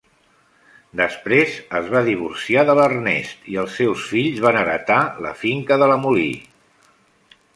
Després, es va divorciar de l'Ernest i els seus fills van heretar la finca de la Mollie.